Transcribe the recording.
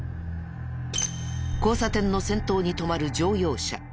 交差点の先頭に止まる乗用車。